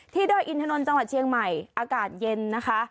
ดอยอินทนนท์จังหวัดเชียงใหม่อากาศเย็นนะคะ